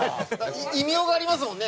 異名がありますもんね